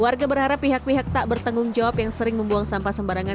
warga berharap pihak pihak tak bertanggung jawab yang sering membuang sampah sembarangan